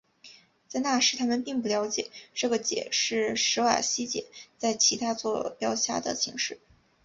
在那时他们并不了解这个解是史瓦西解在其他座标下的形式。